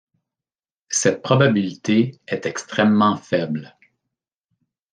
Cette probabilité est extrêmement faible.